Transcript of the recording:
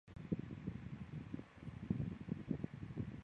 过去是藏传佛教噶当派重要寺院之一。